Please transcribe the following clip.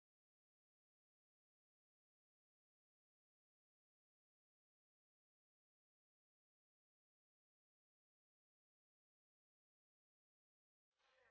kita bisa pergi